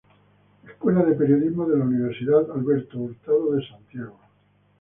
Escuela de periodismo de la Universidad Alberto Hurtado de Santiago.